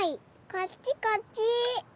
こっちこっち。